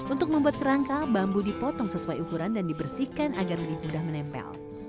untuk membuat kerangka bambu dipotong sesuai ukuran dan dibersihkan agar lebih mudah menempel